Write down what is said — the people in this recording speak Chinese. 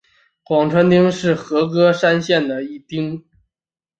广川町是和歌山县的一町。